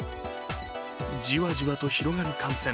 じわじわと広がる感染。